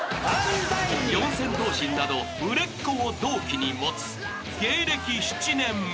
［四千頭身など売れっ子を同期に持つ芸歴７年目］